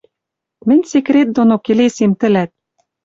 Мӹнь секрет доно келесем тӹлӓт